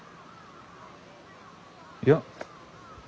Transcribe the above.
いや。